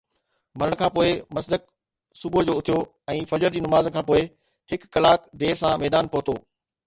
مرڻ کان پوءِ، مصدق صبح جو اٿيو ۽ فجر جي نماز کان پوءِ هڪ ڪلاڪ دير سان ميدان پهتو.